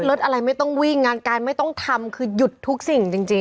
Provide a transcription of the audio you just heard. รถอะไรไม่ต้องวิ่งงานการไม่ต้องทำคือหยุดทุกสิ่งจริง